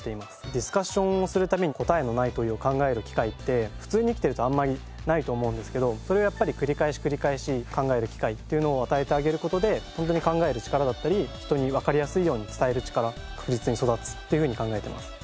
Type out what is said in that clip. ディスカッションをするために答えのない問いを考える機会って普通に生きてるとあんまりないと思うんですけどそれをやっぱり繰り返し繰り返し考える機会っていうのを与えてあげる事で本当に考える力だったり人にわかりやすいように伝える力確実に育つっていうふうに考えてます。